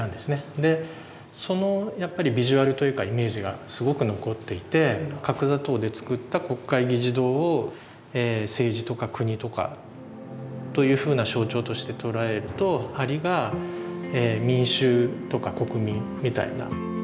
でそのやっぱりビジュアルというかイメージがすごく残っていて角砂糖で作った国会議事堂を政治とか国とかというふうな象徴として捉えると蟻が民衆とか国民みたいな。